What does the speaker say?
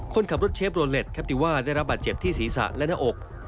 คนขับรถเชฟโรเล็ตแคปติว่าได้รับบาดเจ็บที่ศีรษะและหน้าอก